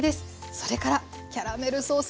それからキャラメルソース